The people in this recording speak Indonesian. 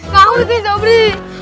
kamu sih sobri